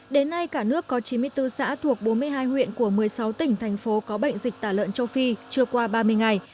đến nay cả nước có chín mươi bốn xã thuộc bốn mươi hai huyện của một mươi sáu tỉnh thành phố có bệnh dịch tả lợn châu phi chưa qua ba mươi ngày